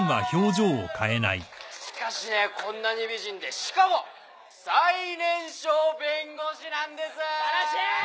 しかしこんなに美人でしかも最年少弁護士なんです。素晴らしい。